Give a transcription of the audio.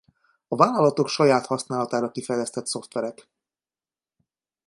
A vállalatok saját használatára kifejlesztett szoftverek.